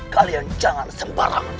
kalian jangan sembarangan